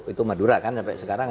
itu madura kan sampai sekarang